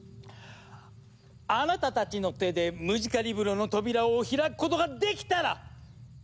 あなたたちの手でムジカリブロの扉を開くことができたら！